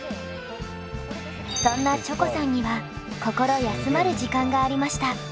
そんなチョコさんには心休まる時間がありました。